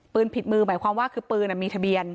ผิดมือหมายความว่าคือปืนมีทะเบียน